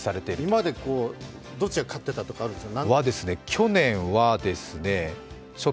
今までどっちが勝ってるとかあるんですか？